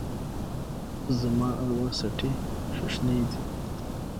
زما اروا څټي ششنیږې